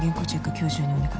今日中にお願い。」